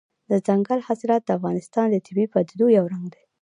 دځنګل حاصلات د افغانستان د طبیعي پدیدو یو رنګ دی.